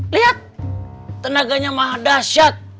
lihat tenaganya mah dahsyat